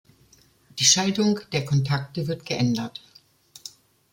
Die Schaltung der Kontakte wird geändert.